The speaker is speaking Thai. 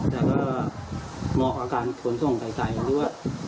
แต่ก็มองอาการผลส่งใกล้ใจที่ว่า